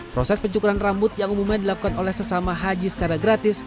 proses pencukuran rambut yang umumnya dilakukan oleh sesama haji secara gratis